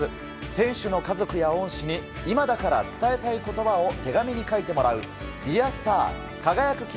選手の家族や恩師に今だから伝えたい言葉を手紙に書いてもらう「Ｄｅａｒｓｔａｒ」。